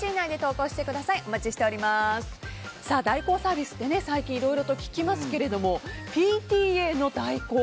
代行サービスって最近いろいろと聞きますけどＰＴＡの代行。